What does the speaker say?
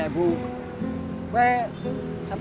inilah minyak kendaraan sarkot